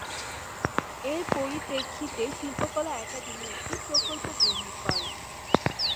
এর পরিপ্রেক্ষিতে শিল্পকলা একাডেমি একটি প্রকল্প গ্রহণ করে।